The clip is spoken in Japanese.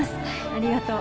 ありがとう。